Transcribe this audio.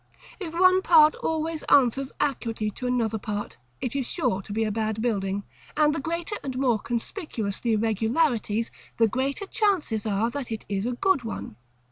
If one part always answers accurately to another part, it is sure to be a bad building; and the greater and more conspicuous the irregularities, the greater the chances are that it is a good one.